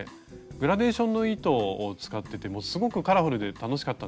グラデーションの糸を使っててもうすごくカラフルで楽しかったんですけど。